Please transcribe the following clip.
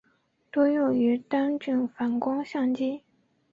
多用于单镜反光相机。